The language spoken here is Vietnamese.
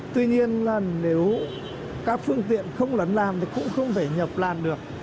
tuy nhiên là nếu các phương tiện không lấn lan thì cũng không thể nhập lan được